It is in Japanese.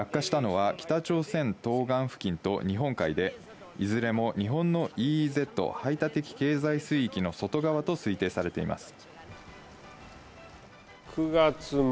落下したのは北朝鮮東岸付近と日本海でいずれも日本のＥＥＺ＝排他的経済水域の外側と推定されています。